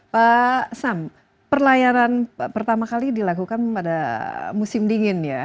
pak sam perlayaran pertama kali dilakukan pada musim dingin ya